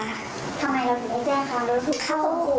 ไม่ค่ะ